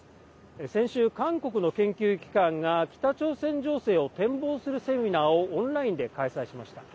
先週、韓国の研究機関が北朝鮮情勢を展望するセミナーをオンラインで開催しました。